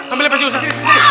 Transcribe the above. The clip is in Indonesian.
ambilin pasti usah